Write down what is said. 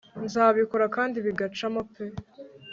nzabikora kandi bigacamo pe